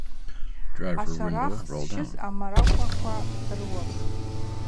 Ашварах зщыз амаракӏваква дрыуапӏ.